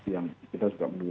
yang kita sudah mencari